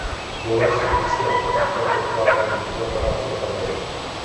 Dole jsou umístěna tlačítka pro ovládání fotoaparátu a kamery.